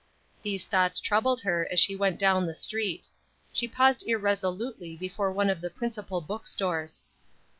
These thoughts troubled her as she went down the Street. She paused irresolutely before one of the principal bookstores.